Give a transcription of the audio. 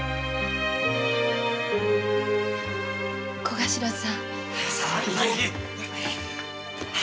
小頭さん！